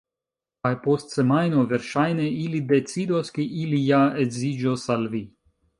Kaj post semajno, verŝajne, ili decidos ke ili ja edziĝos al vi.